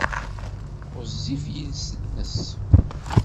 Ɣezzif yiles-nnes.